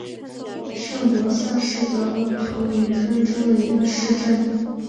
上伯萨是德国图林根州的一个市镇。